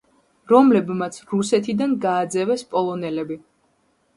რომლებმაც რუსეთიდან გააძევეს პოლონელები.